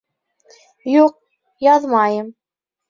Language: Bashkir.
Юҡ, яҙмайым.